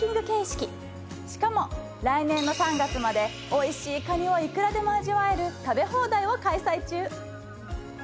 しかも来年の３月まで美味しいかにをいくらでも味わえる食べ放題を開催中。